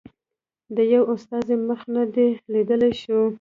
د یوه استازي مخ نه دی لیدل شوی.